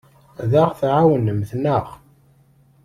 Ad aɣ-tɛawnemt, naɣ?